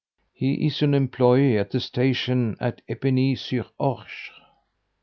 "He is an employeee at the station at Epinay sur Orge."